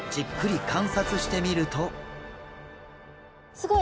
すごい。